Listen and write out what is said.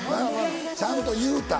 ちゃんと言うたん？